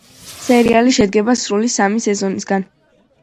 სერიალი შედგება სრული სამი სეზონისგან.